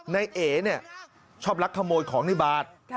ในเอกชอบรักขโมยของในบาท